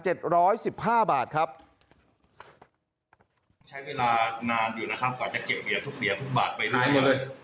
ใช้เวลานานอยู่นะครับก่อนจะเก็บเหรียญทุกเหรียญทุกบาทไป